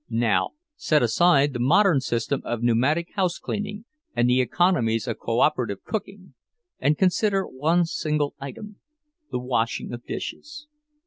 Now set aside the modern system of pneumatic house cleaning, and the economies of co operative cooking; and consider one single item, the washing of dishes.